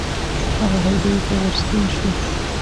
هغه هدیرې ته ورستون شو.